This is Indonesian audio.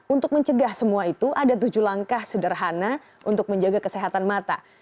untuk mencegah semua itu ada tujuh langkah sederhana untuk menjaga kesehatan mata